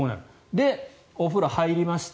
で、お風呂に入りました。